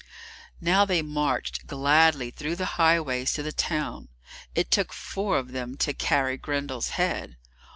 Now they marched gladly through the highways to the town. It took four of them to carry Grendel's head.